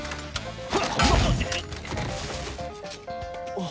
あっ。